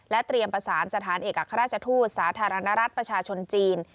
เตรียมประสานสถานเอกอัครราชทูตสาธารณรัฐประชาชนจีน